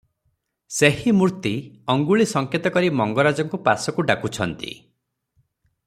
ସେହି ମୂର୍ତ୍ତି ଅଙ୍ଗୁଳି ସଙ୍କେତ କରି ମଙ୍ଗରାଜଙ୍କୁ ପାଶକୁ ଡାକୁଛନ୍ତି ।